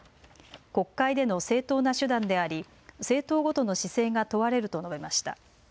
国会での正当な手段であり、政党ごとの姿勢が問われると述べました。